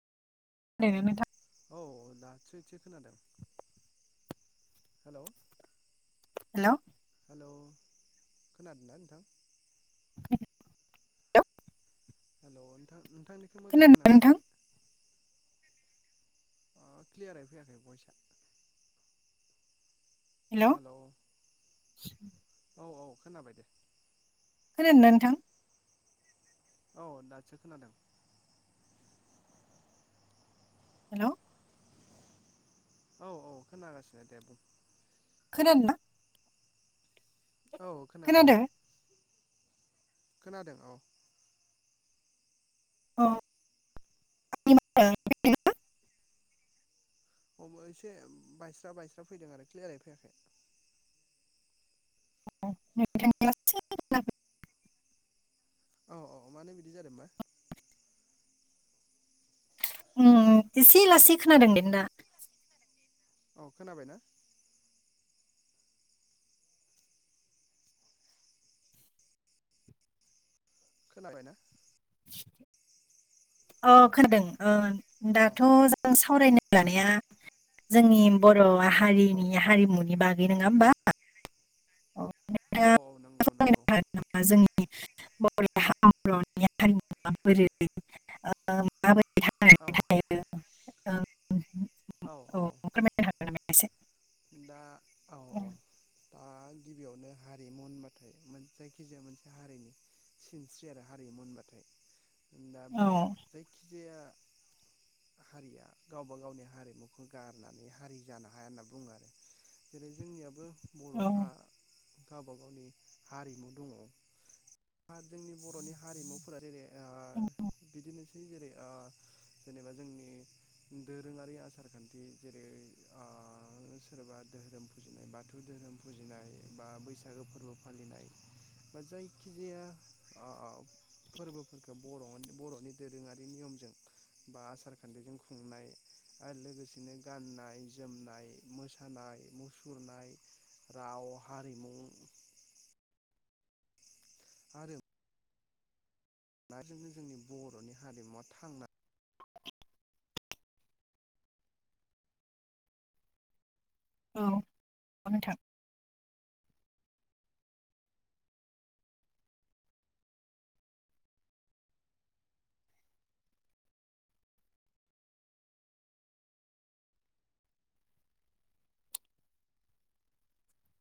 औ खोनादोंना नोंथां औ दासो एसे खोनादों हेलौ। हेलौ। खोनादोंना नोंथां? हेल' नोंथां नोंथांनिखौ मोजाङै हेल' खोनादोंना नोंथां खोनाफैयाखै। क्लियारै फैयाखै भइसआ हेल' हेलौ औ औ खोनाबाय दे। खोनादोंना नोंथां? औ दासो खोनादों। हेलौ औ औ खोनागासिनो दे बुं। खोनादोंना? औ खोनादों खोनादों औ। औ [unintelligible] अ एसे बायस्रा बायस्रा फैदों आरो क्लियारै फैयाखै। नोथां एसे खोनादों। [unintelligible] औ औ मानो बिदि जादों बा? ओम एसे लासै खोनादों नोंना। औ खोनाबाय ना? खोनाबायना? [inaudible] औ खोनादों ओ औ दाथ' औ जों सावरायनाय [unintelligible] लानाया जोंनि बर' औ हारिनि हारिमुनि बागै नङा होमबा? औ [unintelligible] जोंनि [unintelligible] औ ओ औ औ [unintelligible] दा औ औ ओ दा गिबियावनो हारिमु होनबाथाय जायखिजाया मोनसे हारिनि सिनस्रि आरो हारिमु होनबाथाय दा औ बे जायखिजाया हारिया गावबा गावनि हारिमुखौ गारनानै हारि जानो हाया होनना बुं ङो आरो जेरै जोंनियाबो बर'हा गावबा गावनि हारिमु दङ जोंनि बर'नि हारिमुफोरा जेरै ओ बिदिनोसै जेरै ओ जेनेबा जोंनि दोरोङारि आसार खान्थि जेरै ओ सोरबा धोरोम फुजिनाय बाथौ धोरोम फुजिनाय बा बैसागो फोरबो फालिनाय बा जायखिजाया अ अ औ [inaudible] फोरबोफोरखौ बर' बर'नि दोरोङारि नियमजों बा आसार खान्थिजों खुंनाय आरो लोगोसेनो गाननाय जोमनाय मोसानाय मुसुरनाय राव हारिमु आरो ना जोंनो जोंनि बर'नि हारिमुवा थांना औ नंगौ नोंथां